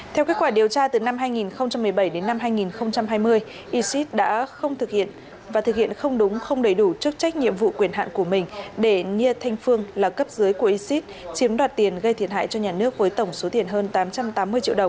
theo kết quả điều tra từ năm hai nghìn một mươi bảy đến năm hai nghìn hai mươi e sit đã không thực hiện và thực hiện không đúng không đầy đủ chức trách nhiệm vụ quyền hạn của mình để nia thanh phương là cấp dưới của ecid chiếm đoạt tiền gây thiệt hại cho nhà nước với tổng số tiền hơn tám trăm tám mươi triệu đồng